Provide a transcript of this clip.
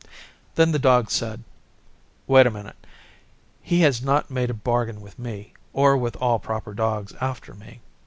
Then the Dog said, 'Wait a minute. He has not made a bargain with me or with all proper Dogs after me.